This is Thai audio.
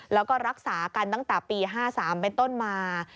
แล้วก็รักษากันตั้งแต่ปี๕๓เป็นต้นมา